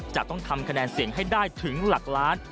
จะต้องทำคะแนนเสียงให้ได้ถึงหลักล้าน